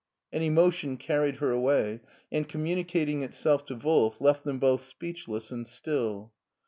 An emotion carried her away, and, communicating itself to Wolf, left them both speechless and still.